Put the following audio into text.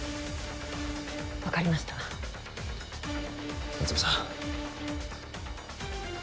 分かりました夏梅さん